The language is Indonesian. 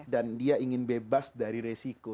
dan dia ingin bebas dari resiko